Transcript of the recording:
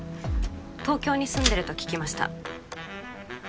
東京に住んでると聞きました